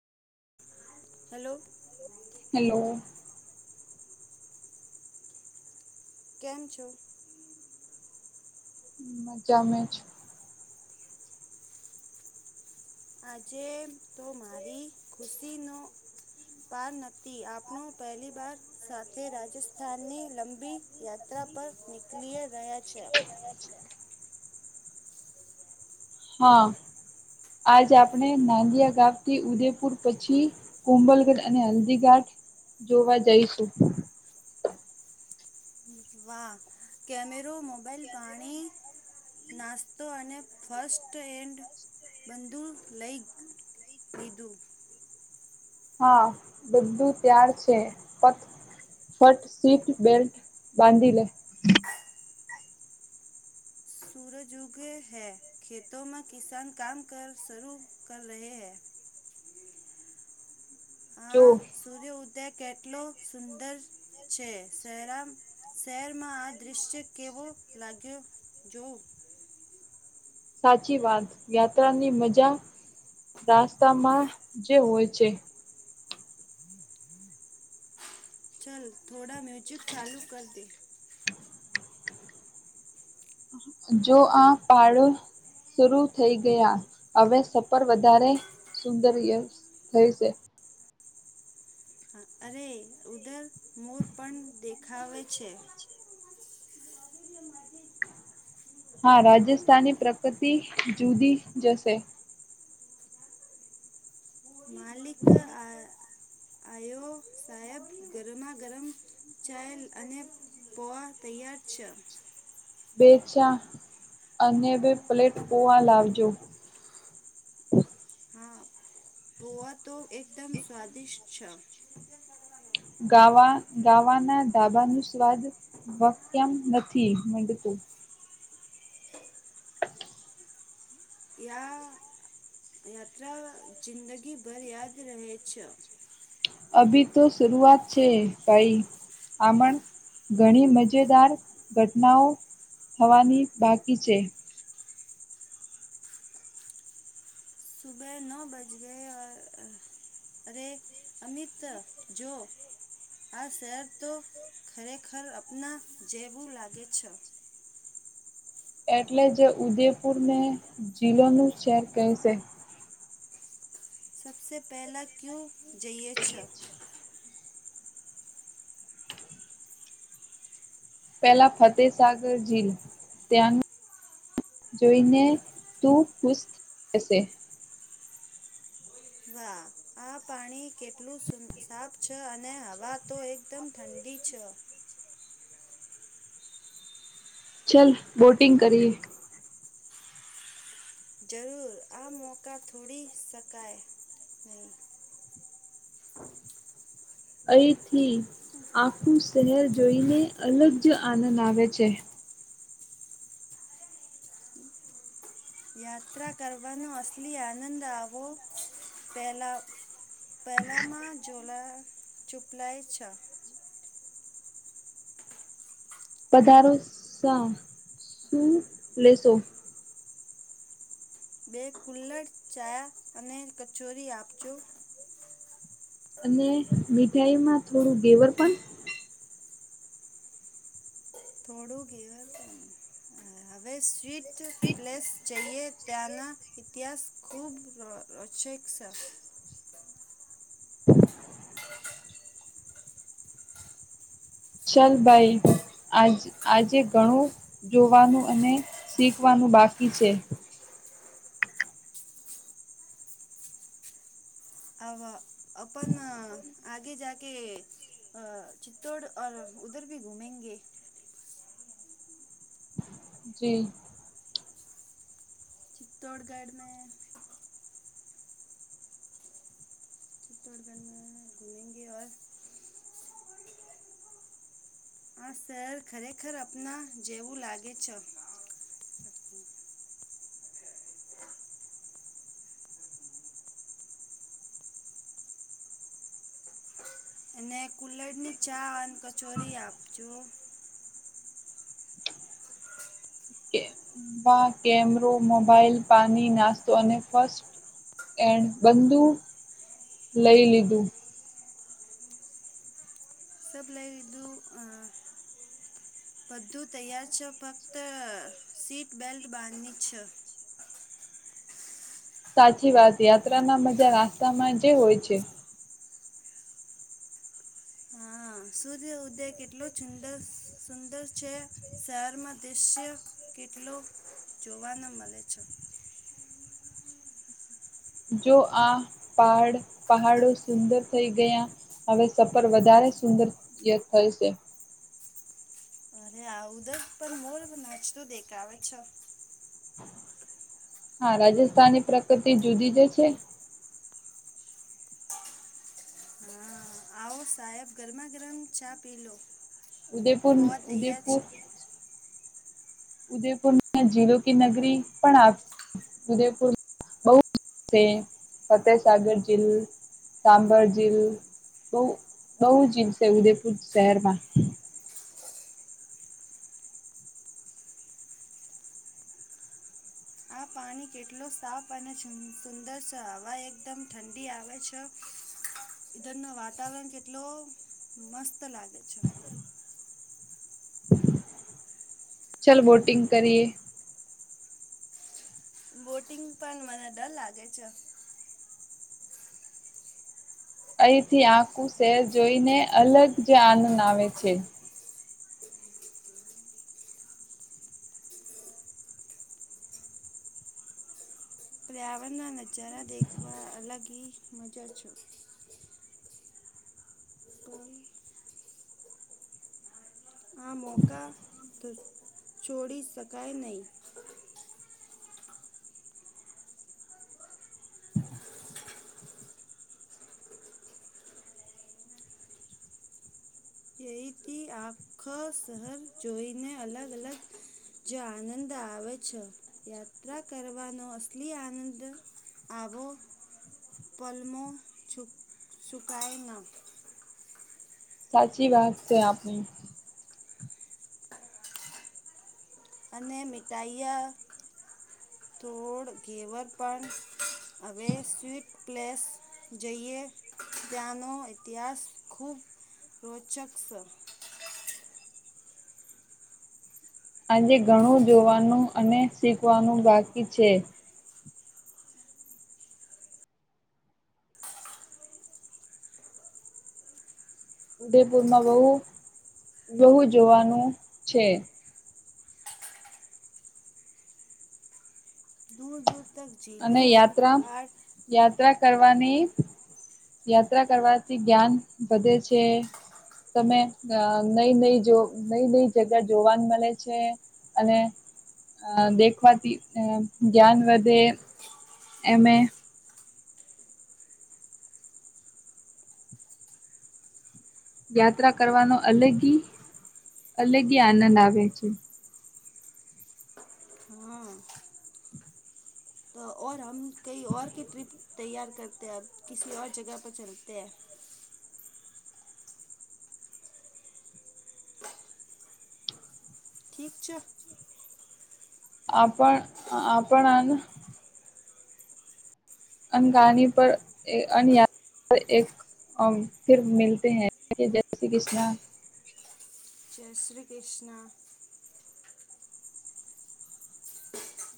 Hello hello કેમ છો મજા મે છે આજે તો મારી ખુશીનો પાર નથી આપણો પહેલી વાર સાથે રાજસ્થાનની લંબી યાત્રા પર નીકલી રહ્યા છે. [inaudible] [unintelligible] હા આજે આપણે નાંદિયા ગામથી ઉદેપુર પછી કુંબલગઢ અને હલ્દીઘાટ જોવા જઈશું. વાહ કેમેરો, મોબાઈલ, પાણી, નાસ્તો અને ફસ્ટ એન્ડ બધું લઈ, લીધું. હા બધું ત્યાર છે, પથ ફટ સીટ બેલ્ટ બાંધી લે, સૂરજ ઉગે હે ખેતોમે કિસાન કામ કર શરૂ કર રહે હે જો હા સૂર્યઉદય કેટલો સુંદર છે, સરામ શહેરમાં આ દૃશ્ય કેવો લાગ્યો જોવ, સાચી વાત યાત્રાની મજા રાસ્તામાં જે હોય છે, ચલ થોડા મ્યુઝિક ચાલુ કર દે, જો આ પાળો શરૂ થઈ ગયા હવે સફર વધારે સુંદરય થઈ છે. અરે ઉધર મોર પણ દેખાવે છે. [inaudible] [unintelligible] હા રાજસ્થાની પ્રકૃતિ જુદી જશે, માલિક આ આયો સાહેબ ગરમા ગરમ ચાય અને પોવા તૈયાર છે. બે ચા અને બે પ્લેટ પોવા લાવજો. હા પોવા તો એકદમ સ્વાદિષ્ટ છે. ગાવા ગાવાના ડાબાનુ સ્વાદ [unintelligible] યા યાત્રા જિંદગીભર યાદ રહે છે. અભી તો શરૂઆત છે ભાઈ [unintelligible] ઘણી મજેદાર ઘટનાઓ થવાની બાકી છે. [inaudible] [unintelligible] અરે અમિત જો આ શહેર તો ખરેખર અપના જેવું લાગે છે. એટલે જે ઉદેપુરને જિલ્લોનું શહેર કહે છે. સબસે પહેલા ક્યુ જઈએ છ પેલા ફતેસાગર જીલ ત્યાં જોઈને તું ખુશ થશે. [inaudible] વાહ આ પાણી કેટલું સાફ છે અને હવા તો એકદમ ઠંડી છ. ચાલ બોટિંગ કરીએ જરૂર આ મોકા થોડી શકાય અહીંથી આખું શહેર જોઈને અલગ જ આનંદ આવે છે. [inaudible] યાત્રા કરવાનો અસલી આનંદ આવો પહેલાં પહેલામાં ઝોલા [unintelligible] [inaudible] પધારો શા, શું લેશો. [inaudible] બે કુલ્લડ ચા અને કચોરી આપજો. અને મીઠાઈમાં થોડું ધેવર પણ થોડું ઘેવર પણ [inaudible] હવે સ્વીટ પ્લેસ જઈએ ત્યાના ઇતિહાસ ખૂબ [unintelligible] [inaudible] ચાલ બાય આજ આજે ઘણું જોવાનું અને શીખવાનું બાકી છે. અ અ પણ આગે જાકે અ ચિત્તૌડ ઔર ઉધર ભી ઘુમેંગે જી ચિત્તૌડગઢ મે [inaudible] [inaudible] હા શેર ખરેખર અપના જેવું લાગે છ [inaudible] [inaudible] એને કુલડ ની ચા અને કચોરી આપજો. [inaudible] કેમરો, મોબાઈલ, પાણી, નાસ્તો અને ફસ્ટ એન્ડ બધું લઈ લીધું. [inaudible] સબ લઈ લીધું અ બધું તૈયાર છે ફક્ત સીટ બેલ્ટ બાંધની છે. [inaudible] સાચી વાત યાત્રાના મજા રાસ્તામાં જે હોય છે. હા સૂર્ય ઉદય કેટલો સુંદર સુંદર છે. શહેરમાં દ્રશ્ય કેટલો જોવાનો મળે છે. [inaudible] જો આ પહાડ પહાડો સુંદર થઈ ગયા હવે સફર વધારે સુંદર દેખાય છે. અરે આવું જ પણ મોર નાચતું દેખાવે છે. હા રાજસ્થાની પ્રકૃતિ જુદી જ છે. [inaudible] હા આવો સાહેબ ગરમાં ગરમ ચા પી લો. ઉદેપુર પૌવા તૈયાર ઉદેપુર છે. ઉદયપુરમાં જીલો કે નગરી પણ આવશે. ઉદયપુર બહુ છે ફતેહસાગર જિલ્લો સાંભર જીલ બહ બહુ જીલ છે ઉદેપુર શહેરમાં. [inaudible] આ પાણી કેટલું સાફ અને સુંદર છે. હવા એકદમ ઠંડી આવે છે. ઈધરનો વાતાવરણ કેટલ મસ્ત લાગે છે. ચલ બોટિંગ કરીએ. [inaudible] બોટિંગ પણ મને ડર લાગે છે. [inaudible] અહીંથી આખું શહેર જોઈને અલગ જ આનંદ આવે છે. પર્યાવણના નજારા દેખવા અલગ હી મજા છે. [unintelligible] આ મોકા થ છોડી શકાય નઈ. અહીંથી આખો શહર જોઈને અલગ અલગ જ આનંદ આવે છ, યાત્રા કરવાનો અસલી આનંદ આવ પલમો છુ છુકાય ના. સાચી વાત છે આપની. અને મીઠાઈયા, થોડ ઘેવર પણ અવે સ્વીટ પ્લેસ જઈએ. ત્યાનો ઇતિહાસ ખૂબ રોચક શ. આજે ઘણું જોવાનું અને શીખવાનું બાકી છે ઉદયપુરમાં બોઉ બહુ જોવાનું છે. દૂર તક. અને યાત્રા, યાત્રા કરવાની યાત્રા કરવાથી જ્ઞાન વધે છે. તમે અ નઈ નઈ જો નઈ નઈ જગા જોવાનું મલે છે. અને અ દેખવાથી અ જ્ઞાન વધે. એમએ યાત્રા કરવાનો અલગી અલગી આનંદ આવે છે. હ, તો ઓર હમ કઈ ઓર કી ટ્રિપ તૈયાર કરતે અબ કીસી ઓર જગા પર ચલતે હેં. ઠીક છો? આપણ આપણાના અંગાની પર એ અને યા અ એક અંમ ફીર મિલતે હેં, જય શ્રી ક્રિષ્ણા! જય શ્રી ક્રિષ્ણા!